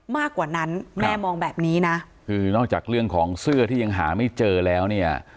มากกว่านั้นแม่มองแบบนี้นะคือนอกจากเรื่องของเสื้อที่ยังหาไม่เจอแล้วเนี่ย